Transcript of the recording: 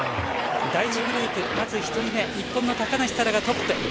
第１グループ、まず１人目、日本の高梨沙羅がトップ。